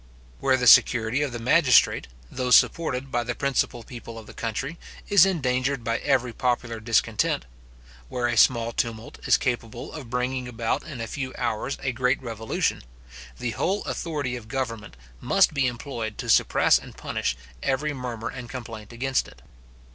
Where the security of the magistrate, though supported by the principal people of the country, is endangered by every popular discontent; where a small tumult is capable of bringing about in a few hours a great revolution, the whole authority of government must be employed to suppress and punish every murmur and complaint against it.